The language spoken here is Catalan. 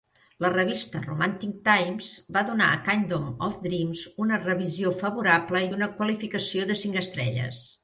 La revista "Romantic Times" va donar "A Kingdom of Dreams" una revisió favorable i una qualificació de cinc estrelles.